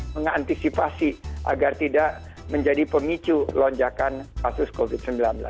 mengantisipasi agar tidak menjadi pemicu lonjakan kasus covid sembilan belas